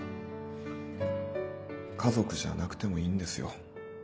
家族じゃなくてもいいんですよ。